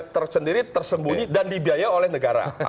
tersendiri tersembunyi dan dibiaya oleh negara